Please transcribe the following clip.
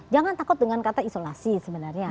jangan takut dengan kata isolasi sebenarnya